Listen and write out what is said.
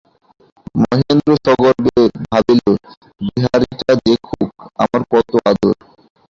মহেন্দ্র সগর্বে ভাবিল, বিহারীটা দেখুক, আমার কত আদর।